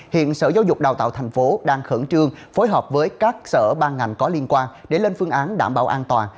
hiện sở giáo dục đào tạo thành phố đang khẩn trương phối hợp với các sở ban ngành có liên quan để lên phương án đảm bảo an toàn